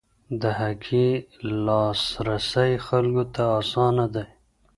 د هګۍ لاسرسی خلکو ته اسانه دی.